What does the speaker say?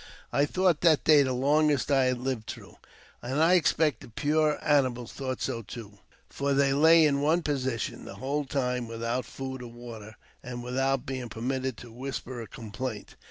I thought that day the longest I had lived through, and I expect the poor animals thought so too, for they lay in one position the whole time, without food or water, and without being permitted to whisper a complaint.